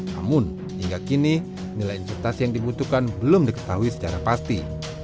namun hingga kini nilai investasi yang dibutuhkan belum diketahui secara pasti